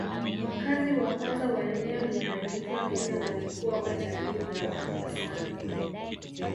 Wakazi wa kwanza wa eneo linaloitwa Kenya walikuwa wa jamii ya Wakhoisan